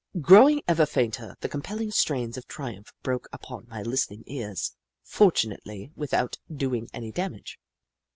Growing ever fainter, the compelHng strains of triumph broke upon my Hstening ears, fortunately without doing any damage.